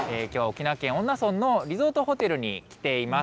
きょうは沖縄県恩納村のリゾートホテルに来ています。